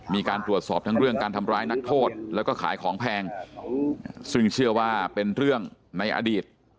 มีการตรวจสอบทั้งเรื่องการทำร้ายนักโทษแล้วก็ขายของแพงซึ่งเชื่อว่าเป็นเรื่องในอดีต